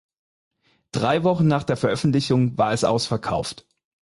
Drei Wochen nach der Veröffentlichung war es ausverkauft.